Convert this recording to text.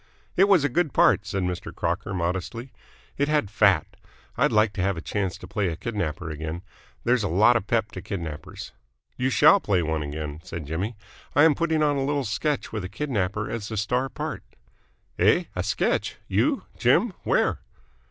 "It was a good part," said Mr. Crocker modestly. "It had fat. I'd like to have a chance to play a kidnapper again. There's a lot of pep to kidnappers." "You shall play one again," said Jimmy. "I am putting on a little sketch with a kidnapper as the star part." "Eh? A sketch? You, Jim? Where?"